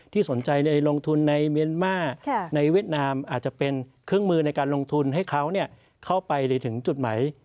สนใจในลงทุนในเมียนมาร์ในเวียดนามอาจจะเป็นเครื่องมือในการลงทุนให้เขาเข้าไปถึงจุดหมาย